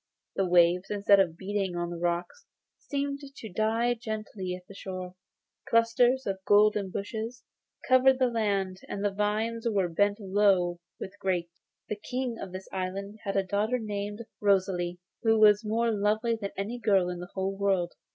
The waves, instead of beating on the rocks, seemed to die gently on the shore; clusters of golden bushes covered the land, and the vines were bent low with grapes. The King of this island had a daughter named Rosalie, who was more lovely than any girl in the whole world.